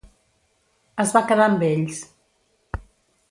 Es va quedar amb ells.